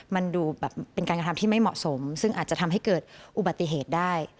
มันดูแบบเป็นการกระทำที่ไม่เหมาะสมซึ่งอาจจะทำให้เกิดอุบัติเหตุได้